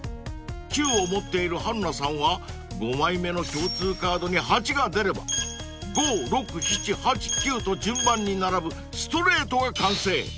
［９を持っている春菜さんは５枚目の共通カードに８が出れば５・６・７・８・９と順番に並ぶストレートが完成］